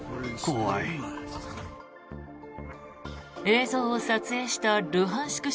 映像を撮影したルハンシク